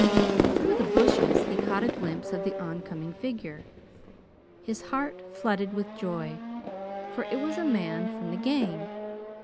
Through the bushes he caught a glimpse of the oncoming figure. His heart flooded with joy, for it was a man from the gang.